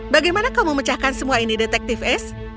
bagaimana kau memecahkan semua ini detektif ace